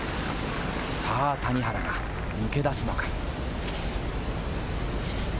谷原が抜け出すのか？